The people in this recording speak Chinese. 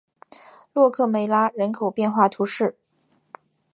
洛克梅拉人口变化图示